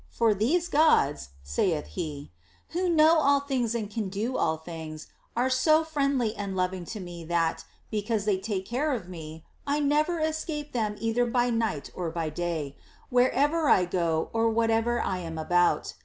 " For these Gods," saith he, " who know all things and can do all things, are so friendly and loving to me that, because they take care of me, I never escape them either by night or by day, wherever I go or whatever I am about.